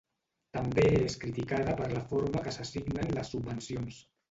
També és criticada per la forma que s'assignen les subvencions.